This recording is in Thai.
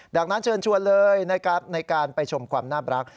ดังนั้นเชิญชวนเลยนะครับในการไปชมความน่ารัก